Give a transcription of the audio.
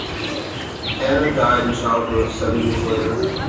Anna died in childbirth seven years later.